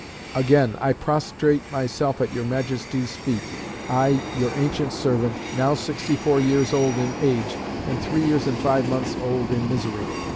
Again, "I prostrate myself at your Majesty's feet; I your ancient servant, now sixty four years old in age, and three years and five months old in misery.